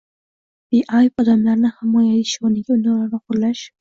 Beayb odamlarni himoya etish o‘rniga ularni xo‘rlash